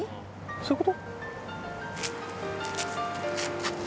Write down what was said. そういうこと？